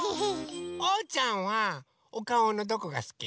おうちゃんはおかおのどこがすき？